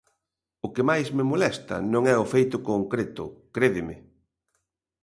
O que máis me molesta non é o feito concreto, crédeme.